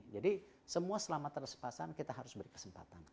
jadi semua selama tersepasan kita harus beri kesempatan